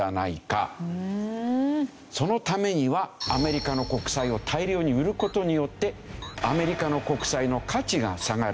そのためにはアメリカの国債を大量に売る事によってアメリカの国債の価値が下がる。